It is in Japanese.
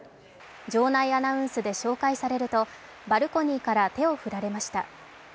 場内アナウンスで紹介されるとバルコニーから手を振られました。